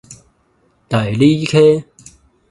大里溪